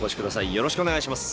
よろしくお願いします。